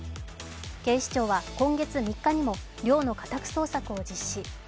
警視庁は今月３日にも寮の家宅捜索を実施。